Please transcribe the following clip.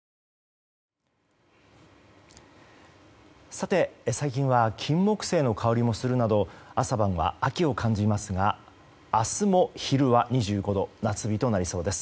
さて、最近はキンモクセイの香りもするなど朝晩は秋を感じますが明日も昼は２５度夏日となりそうです。